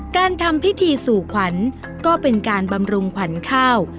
การทำพิธีสู่ขวัญก็เป็นการบำรุงขวัญข้าว